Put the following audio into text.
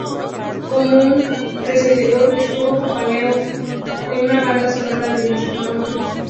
Como su predecesor, estuvo acompañado de una banda sonora del mismo nombre.